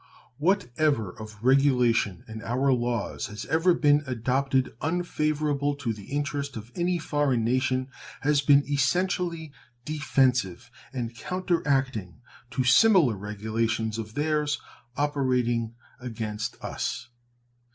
What ever of regulation in our laws has ever been adopted unfavorable to the interest of any foreign nation has been essentially defensive and counteracting to similar regulations of theirs operating against us.